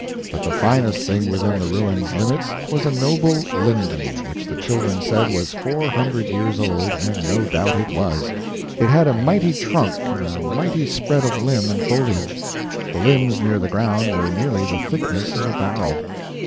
But the finest thing within the ruin's limits was a noble linden, which the children said was four hundred years old, and no doubt it was. It had a mighty trunk and a mighty spread of limb and foliage. The limbs near the ground were nearly the thickness of a barrel.